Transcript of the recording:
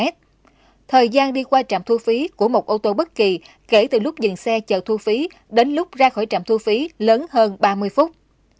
thời gian đi qua trạm thu phí của một ô tô bất kỳ kể từ lúc dừng xe chờ thu phí đến lúc ra khỏi trạm thu phí lớn hơn ba mươi phút